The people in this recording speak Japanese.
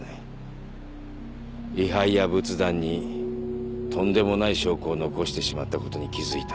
位牌や仏壇にとんでもない証拠を残してしまったことに気付いた。